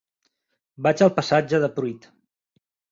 Vaig al passatge de Pruit.